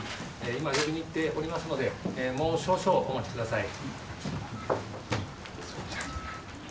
今、呼びに行っておりますのでもう少々お待ちください。